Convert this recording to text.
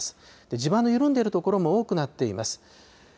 地盤の緩んでいる所も多くなっています。